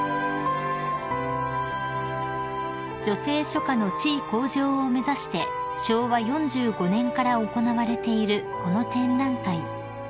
［女性書家の地位向上を目指して昭和４５年から行われているこの展覧会］